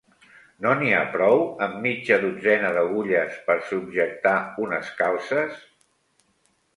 No n'hi ha prou amb mitja dotzena d'agulles per subjectar unes calces?